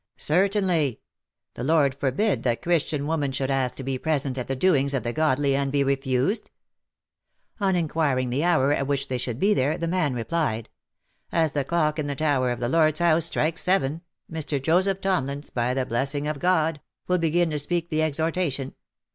"Certainly! the Lord forbid that Christian women should ask to be present at the doings of the godly and be refused V? On inquiringthe hour at which they should be there, the man replied, " As the clock in the tower of the Lord's house strikes seven, Mr. Joseph Tomlins, by the blessing of God, will begin to speak the exhor tation.